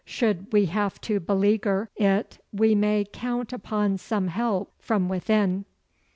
Should we have to beleaguer it we may count upon some help from within.